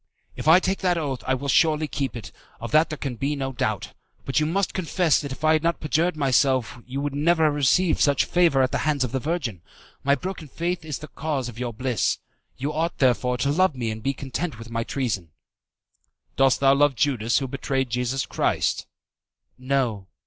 "If I take the oath, I will surely keep it, of that there can be no doubt; but you must confess that if I had not perjured myself you would never have received such favour at the hands of the Virgin. My broken faith is the cause of your bliss. You ought, therefore, to love me and to be content with my treason." "Dost love Judas who betrayed Jesus Christ?" "No."